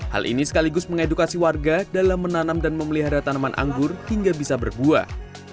hal ini sekaligus mengedukasi warga dalam menanam dan memelihara tanaman anggur hingga bisa berbuah